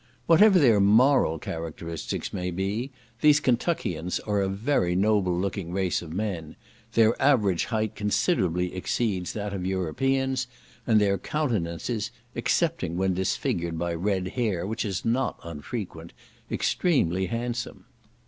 Whatever their moral characteristics may be, these Kentuckians are a very noble looking race of men; their average height considerably exceeds that of Europeans, and their countenances, excepting when disfigured by red hair, which is not unfrequent, extremely handsome.